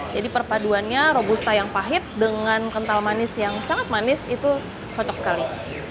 jadi perpaduannya robusta yang pahit dengan kental manis yang sangat manis itu kocok sekali